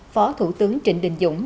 phó thủ tướng trịnh đình dũng